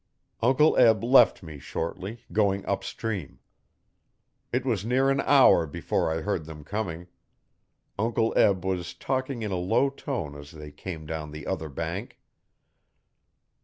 Uncle Eb left me, shortly, going up stream. It was near an hour before I heard them coming. Uncle Eb was talking in a low tone as they came down the other bank.